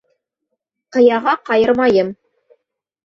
Ҡыяға ҡайырмайым.